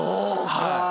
はい。